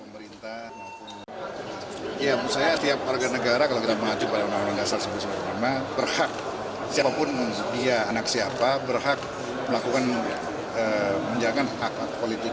bambang susatyo mengambil alih dari perusahaan jokowi